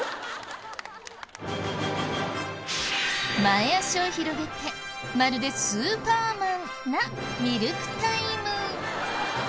前脚を広げてまるでスーパーマンなミルクタイム。